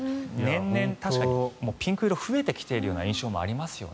年々、ピンク色が増えてきているような印象もありますね。